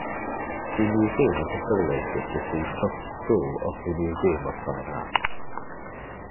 The museum is affiliated with the Tufts School of the Museum of Fine Arts.